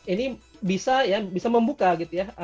ini bisa ya bisa membuka gitu ya